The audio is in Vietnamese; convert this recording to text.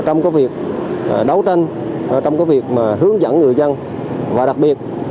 trong cái việc đấu tranh trong cái việc mà hướng dẫn người dân và đặc biệt